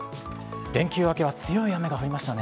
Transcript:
連休明けは強い雨が降りましたね。